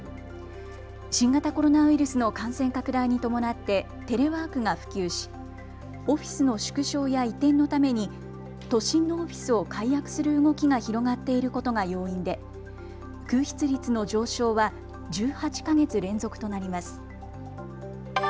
新型コロナウイルスの感染拡大に伴ってテレワークが普及しオフィスの縮小や移転のために都心のオフィスを解約する動きが広がっていることが要因で空室率の上昇は１８か月連続となります。